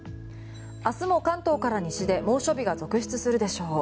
明日も関東から西で猛暑日が続出するでしょう。